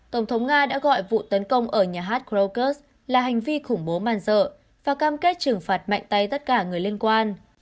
tổng thống nga đã gọi vụ tấn công ở nhà hát krokus là hành vi khủng bố màn dợ và cam kết trừng phạt mạnh tay tất cả người liên quan